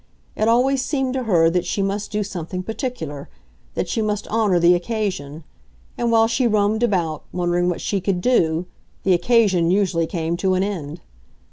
It always seemed to her that she must do something particular—that she must honor the occasion; and while she roamed about, wondering what she could do, the occasion usually came to an end.